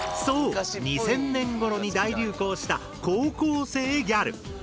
そう２０００年ごろに大流行した高校生ギャル！